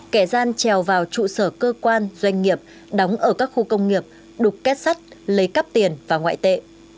kẻ gian trèo vào trụ sở cơ quan doanh nghiệp đóng ở các khu công nghiệp đục kết sắt lấy cắp tiền và ngoại tệ